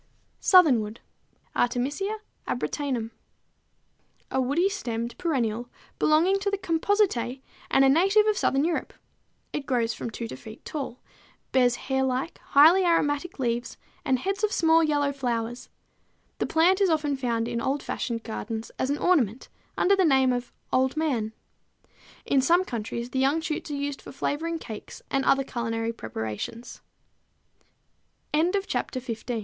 =Southernwood= (Artemisia Abrotanum, Linn.), a woody stemmed perennial belonging to the Compositæ and a native of southern Europe. It grows from 2 to 4 feet tall, bears hairlike, highly aromatic leaves and heads of small yellow flowers. The plant is often found in old fashioned gardens as an ornamental under the name of Old Man. In some countries the young shoots are used for flavoring cakes and other culinary preparations. =Tansy= (Tanacetum vulgare, Linn.), a perennial